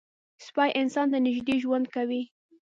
سپي انسان ته نږدې ژوند کوي.